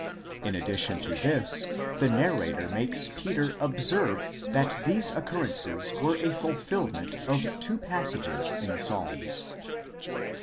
In addition to this, the narrator makes Peter observe that these occurrences were a fulfilment of two passages in the Psalms.